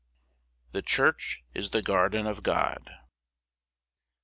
The church is the garden of God.